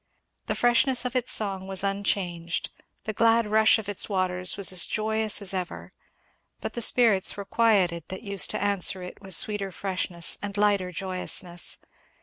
The freshness of its song was unchanged, the glad rush of its waters was as joyous as ever, but the spirits were quieted that used to answer it with sweeter freshness and lighter joyousness.